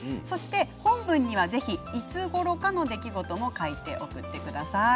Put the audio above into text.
本文には、ぜひいつごろかの出来事も書いて送ってください。